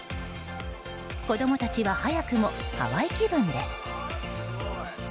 子供たちは早くもハワイ気分です。